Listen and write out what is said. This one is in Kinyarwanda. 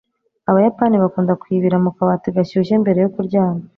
Abayapani bakunda kwibira mu kabati gashyushye mbere yo kuryama.